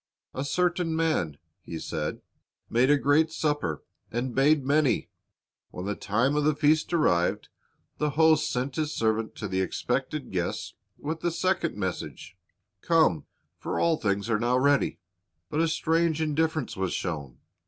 "A certain man," He said, "made a great supper, and bade many." When the time of the feast arrived, the host sent his servant to the expected guests with a second message, "Come; for all things are now ready." But a strange indifference was shown.